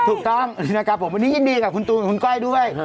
ถูกต้องนะครับผมวันนี้ยินดีกับคุณตูนกับคุณก้อยด้วย